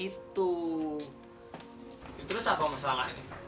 itu lah masalah